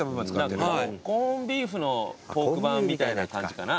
コンビーフのポーク版みたいな感じかな。